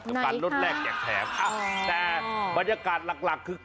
คุณแฮรี่ไพรันลดแรกอย่างแทนค่ะแต่บรรยากาศหลักคืออ๋อ